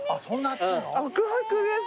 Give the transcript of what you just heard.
熱々です。